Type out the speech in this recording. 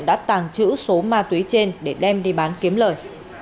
đã tàng trữ số ma túy trên để đem đi bán kiếm lời